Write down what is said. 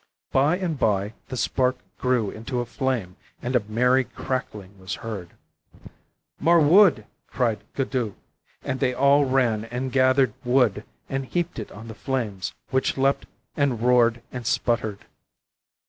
By and by the spark grew into a flame, and a merry crackling was heard. 'More wood,' cried Guddhi, and they all ran and gathered wood and heaped it on the flames, which leaped and roared and sputtered.